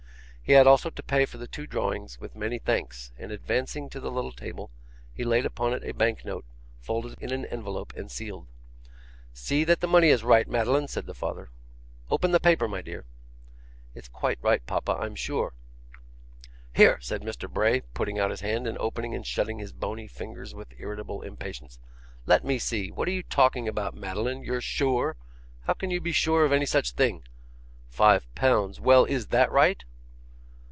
He had also to pay for the two drawings, with many thanks, and, advancing to the little table, he laid upon it a bank note, folded in an envelope and sealed. 'See that the money is right, Madeline,' said the father. 'Open the paper, my dear.' 'It's quite right, papa, I'm sure.' 'Here!' said Mr. Bray, putting out his hand, and opening and shutting his bony fingers with irritable impatience. 'Let me see. What are you talking about, Madeline? You're sure? How can you be sure of any such thing? Five pounds well, is THAT right?